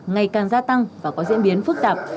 ngày càng gia tăng và có diễn biến phức tạp